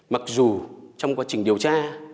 mặc dù trong quá trình điều tra